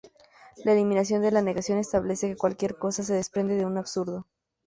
La eliminación de la negación establece que cualquier cosa se desprende de un absurdo.